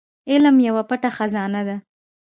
علم يوه پټه خزانه ده.